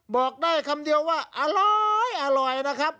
บอกได้คำเดียวว่าอร่อยนะครับ